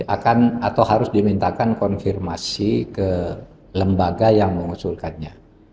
akan atau harus dimintakan konfirmasi ke lembaga yang mengusulkannya